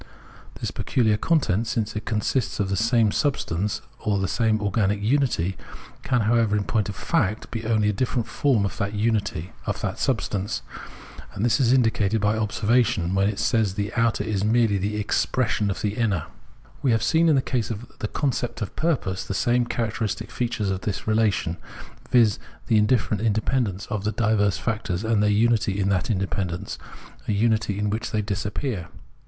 This pecuhar content, since it consists of the same sub stance, or the same organic unity, can, however, in 256 Phenomenology of Mind point of fact, be only a different form of tliat unity, of that substance; and this is indicated by observa tion when it says that the outer is merely the expression of the inner. We have seen in the case of the concept of purpose the same characteristic features of the relation, viz. the indifferent independence of the diverse factors, and their unity in that independence, a unity in which they disappear.